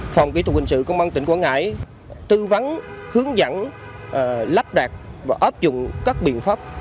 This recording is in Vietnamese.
phòng kỹ thuật hình sự công an tỉnh quảng ngãi tư vấn hướng dẫn lắp đặt và áp dụng các biện pháp